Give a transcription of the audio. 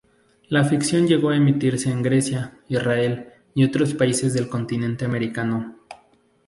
La ficción llegó a emitirse en Grecia, Israel y otros países del continente americano.